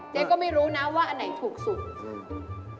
เจ๊ก็ไม่รู้นะว่าอันไหนถูกสุดอืม